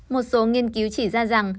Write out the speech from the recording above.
một số nghiên cứu chỉ ra rằng